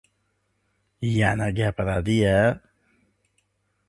— Yana gapiradi-ya!